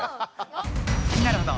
なるほど。